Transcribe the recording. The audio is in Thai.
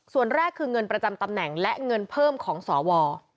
ส่วนแรกคือเงินประจำตำแหน่งและเงินเพิ่มของสว